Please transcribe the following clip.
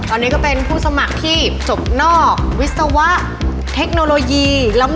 ตอนนี้ก็เป็นผู้สมัครที่จบนอกวิศวะเทคโนโลยี